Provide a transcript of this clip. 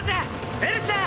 めるちゃん！